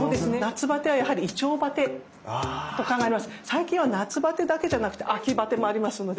最近は夏バテだけじゃなくて秋バテもありますので。